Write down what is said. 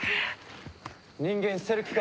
人間捨てる気か？